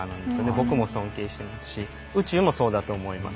僕も尊敬していますし宇宙もそうだと思います。